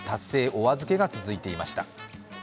おあずけが続いていました。